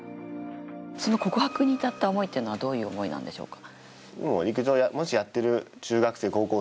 告白に至った思いっていうのはどういう思いなんでしょうか。